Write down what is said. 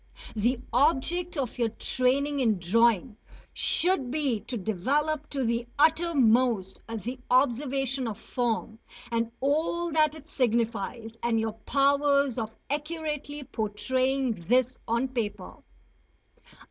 The object of your training in drawing should be to develop to the uttermost the observation of form and all that it signifies, and your powers of accurately portraying this on paper.